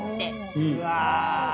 うわ！